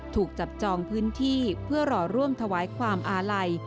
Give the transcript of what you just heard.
ถูกจับจองพื้นที่เพื่อรอร่วมถวายความอาลัย